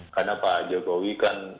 karena pak jokowi kan